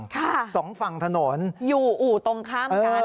ค่ะอยู่อู่ตรงข้ามกันสองฝั่งถนน